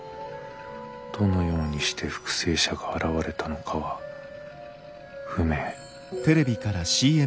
どのようにして復生者が現れたのかは不明」。